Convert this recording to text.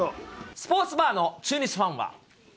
スポーツバーの中日ファンは。